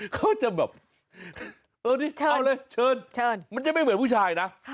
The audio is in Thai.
เขาจะแบบเออดิเชิญเอาเลยเชิญมันจะไม่เหมือนผู้ชายนะ